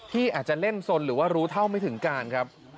ที่อาจจะเล่นสนหรือว่ารู้เท่าไม่ถึงการครับ